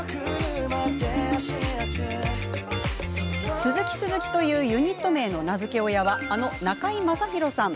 鈴木鈴木というユニット名の名付け親は、あの中居正広さん。